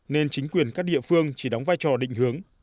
nên chính quyền các địa phương chỉ đóng vai trò định hướng